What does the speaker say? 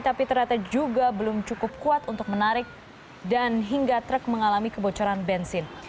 tapi ternyata juga belum cukup kuat untuk menarik dan hingga truk mengalami kebocoran bensin